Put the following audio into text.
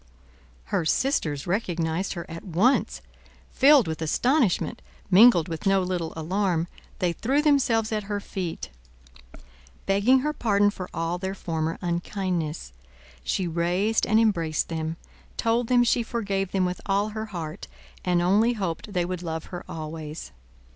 Her sisters recognized her at once. Filled with astonishment, mingled with no little alarm, they threw themselves at her feet, begging her pardon for all their former unkindness. She raised and embraced them; told them she forgave them with all her heart, and only hoped they would love her always.